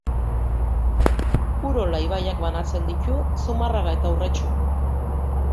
Urola ibaiak banatzen ditu Zumarraga eta Urretxu.